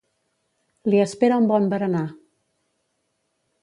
Li espera un bon berenar.